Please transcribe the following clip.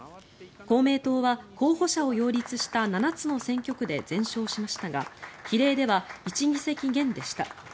公明党は候補者を擁立した７つの選挙区で全勝しましたが比例では１議席減でした。